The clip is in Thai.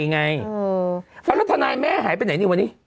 แล้วทนายแม่หายไปไหนนี่วันนี้